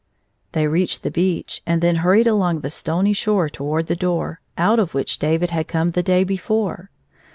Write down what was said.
They reached the beach, and then hurried along the stony shore toward the door, out of which David had come the day before.